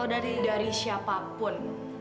atau dari siapapun